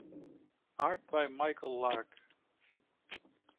Art by Michael Lark.